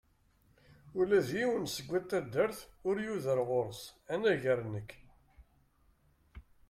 Ula d yiwen seg at taddart ur yuder ɣur-s, anagar nekk.